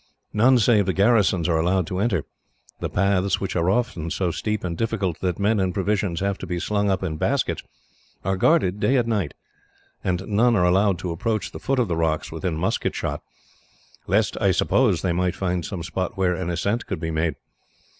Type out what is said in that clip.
None save the garrisons are allowed to enter. The paths, which are often so steep and difficult that men and provisions have to be slung up in baskets, are guarded night and day, and none are allowed to approach the foot of the rocks within musket shot lest, I suppose, they might find some spot where an ascent could be made.